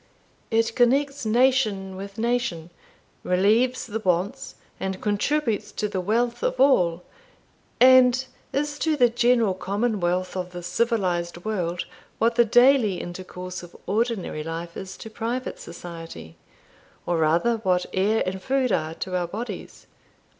"It connects nation with nation, relieves the wants, and contributes to the wealth of all; and is to the general commonwealth of the civilised world what the daily intercourse of ordinary life is to private society, or rather, what air and food are to our bodies."